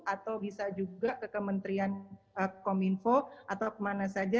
atau bisa juga ke kementerian kominfo atau kemana saja